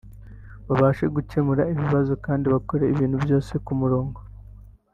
babasha gukemura ibibazo kandi bakora ibintu bvyose ku murongo